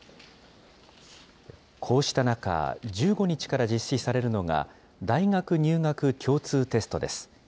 こうした中、１５日から実施されるのが大学入学共通テストです。